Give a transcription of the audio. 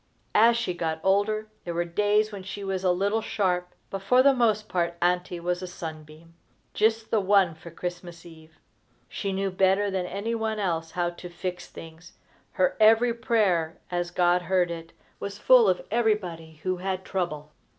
As she got older, there were days when she was a little sharp, but for the most part Auntie was a sunbeam just the one for Christmas eve. She knew better than any one else how to fix things. Her every prayer, as God heard it, was full of everybody who had trouble.